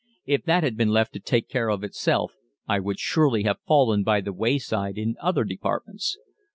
If that had been left to take care of itself I would surely have fallen by the wayside in other departments.